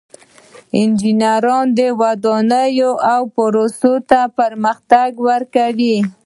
انجینران ودانیو او پروسو ته پرمختګ ورکوي.